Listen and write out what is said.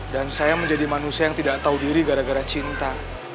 dan saya menjadi manusia yang tidak tahu diri gara gara cinta